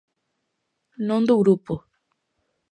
Non do grupo.